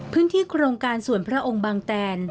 พื้นที่โครงการส่วนพระองค์บางแตน